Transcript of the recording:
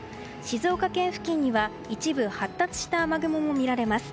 静岡県付近には一部、発達した雨雲も見られます。